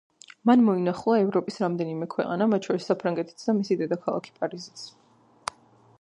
მან მოინახულა ევროპის რამდენიმე ქვეყანა, მათ შორის საფრანგეთიც და მისი დედაქალაქი პარიზი.